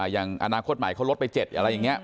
อย่างอนาคตใหม่เขาลดไป๗อะไรอย่างนี้